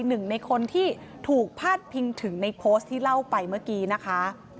หนึ่งในคนที่ถูกพาดพิงถึงในโพสต์ที่เล่าไปเมื่อกี้นะคะ